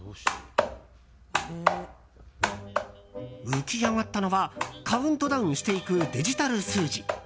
浮き上がったのはカウントダウンしていくデジタル数字。